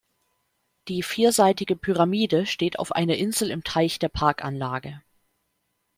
Die vierseitige Pyramide steht auf einer Insel im Teich der Parkanlage.